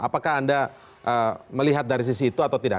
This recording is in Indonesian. apakah anda melihat dari sisi itu atau tidak